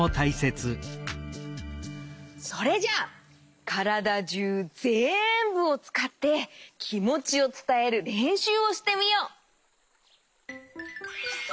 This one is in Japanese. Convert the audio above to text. それじゃからだじゅうぜんぶをつかってきもちをつたえるれんしゅうをしてみよう。